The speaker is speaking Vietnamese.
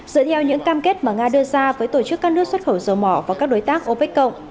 dựa theo những cam kết mà nga đưa ra với tổ chức các nước xuất khẩu dầu mỏ và các đối tác opec cộng